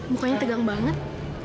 mukanya tegang banget